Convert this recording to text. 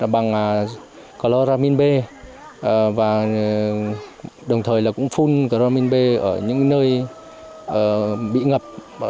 bằng cloramin b và đồng thời là cũng phun cloramin b ở những nơi bị ngập